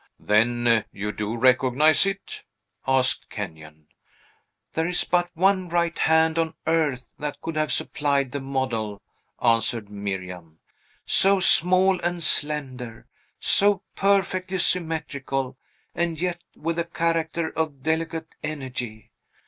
"Then you do recognize it?" asked Kenyon. "There is but one right hand on earth that could have supplied the model," answered Miriam; "so small and slender, so perfectly symmetrical, and yet with a character of delicate energy.